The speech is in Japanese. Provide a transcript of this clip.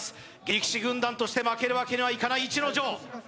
力士軍団として負けるわけにはいかない逸ノ城